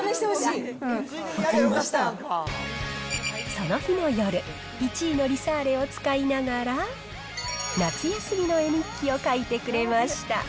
その日の夜、１位のリサーレを使いながら、夏休みの絵日記を書いてくれました。